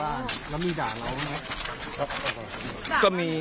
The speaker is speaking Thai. ไม่เทาะใจอะไรนะครับพี่